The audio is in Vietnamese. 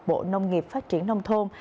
bộ nông nghiệp phát triển nông thôn